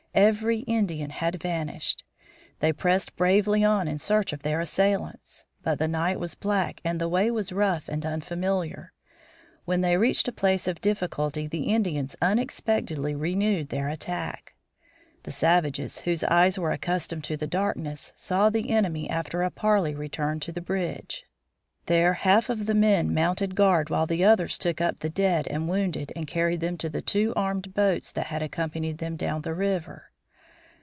Every Indian had vanished. They pressed bravely on in search of their assailants; but the night was black and the way was rough and unfamiliar. Whenever they reached a place of difficulty the Indians unexpectedly renewed their attack. The savages, whose eyes were accustomed to the darkness, saw the enemy after a parley return to the bridge. There, half of the men mounted guard while the others took up the dead and wounded and carried them to two armed boats that had accompanied them down the river.